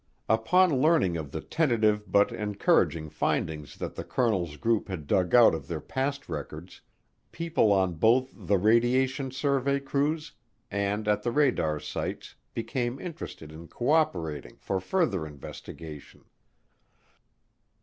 Upon learning of the tentative but encouraging findings that the colonel's group had dug out of their past records, people on both the radiation survey crews and at the radar sites became interested in co operating for further investigation.